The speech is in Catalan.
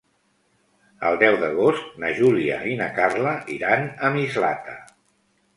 El deu d'agost na Júlia i na Carla iran a Mislata.